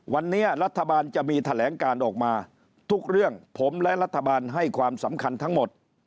วันนี้รัฐบาลจะมีแถลงการออกมาทุกเรื่องผมและรัฐบาลให้ความสำคัญทั้งหมด